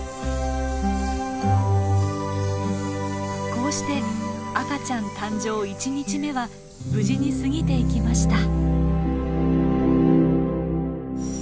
こうして赤ちゃん誕生一日目は無事に過ぎていきました。